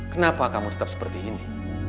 kenapa kamu tetap seperti ini